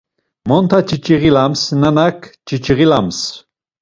Montak ç̌iç̌ğilams, nanak ç̌iç̌ğilams.